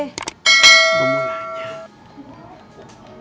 gue mau tanya